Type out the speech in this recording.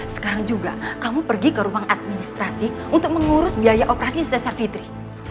sekarang juga kamu pergi ke ruang administrasi untuk mengurus biaya operasi sesar fitri